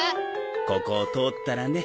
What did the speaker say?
ここを通ったらね。